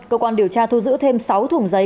cơ quan điều tra thu giữ thêm sáu thùng giấy